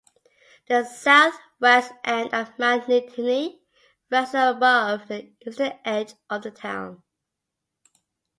The southwest end of Mount Nittany rises above the eastern edge of the town.